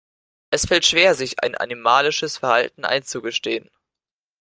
Es fällt schwer, sich sein animalisches Verhalten einzugestehen.